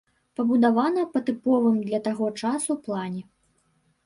Пабудавана па тыповым для таго часу плане.